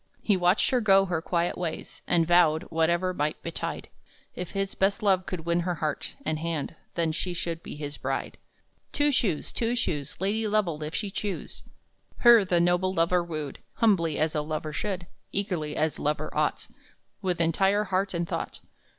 He watched her go her quiet ways, And vowed, whatever might betide, If his best love could win her heart And hand, then she should be his bride. Two Shoes, Two Shoes Lady Lovell, if she choose! Her the noble lover wooed, Humbly, as a lover should, Eagerly, as lover ought, With entire heart and thought.